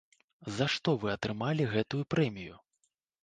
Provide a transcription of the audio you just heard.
За што вы атрымалі гэтую прэмію?